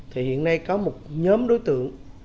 nhưng mà hiện nay có một nhóm đối tượng